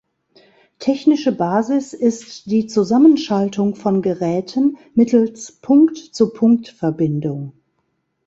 Technische Basis ist die Zusammenschaltung von Geräten mittels Punkt-zu-Punkt-Verbindung.